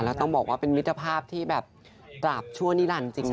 แล้วต้องบอกว่าเป็นมิตรภาพที่แบบตราบชั่วนิรันดิจริงนะ